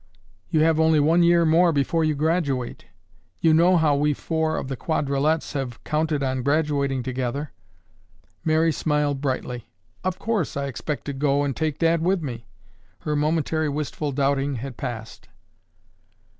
You have only one year more before you graduate. You know how we four of 'The Quadralettes' have counted on graduating together." Mary smiled brightly. "Of course, I expect to go and take Dad with me." Her momentary wistful doubting had passed.